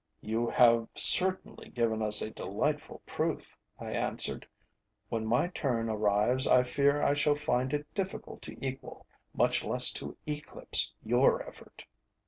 "You have certainly given us a delightful proof," I answered. "When my turn arrives, I fear I shall find it difficult to equal, much less to eclipse, your effort."